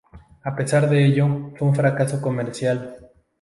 A pesar de ello, fue un fracaso comercial.